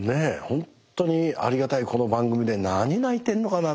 本当にありがたいこの番組で何泣いてんのかな。